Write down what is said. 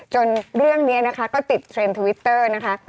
เรื่องนี้นะคะก็ติดเทรนดทวิตเตอร์นะคะ